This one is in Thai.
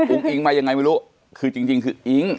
อิ๊งมายังไงไม่รู้คือจริงคืออิ๊ง